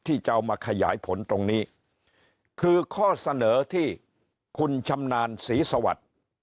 ที่จะเอามาขยายผลตรงนี้คือข้อเสนอที่คุณชำนาญศรีสวัสดิ์